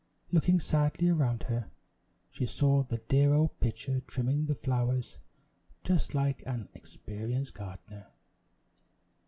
Looking sadly around her, she saw the dear old pitcher trimming the flowers just like an experienced gardener.